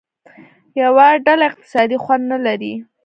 یوه ډله اقتصادي خوند نه لري.